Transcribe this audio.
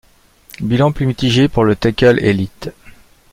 Bilan plus mitigé pour le tackle élite.